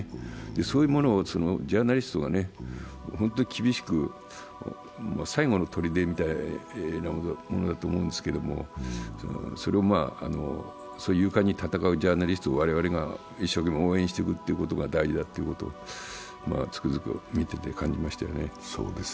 そういうものをジャーナリストが本当に厳しく最後のとりでみたいなものだと思うんですけれどもそれを勇敢に戦うジャーナリストを我々が一生懸命応援していくことが大事だということをつくづく見ていて感じましたよね。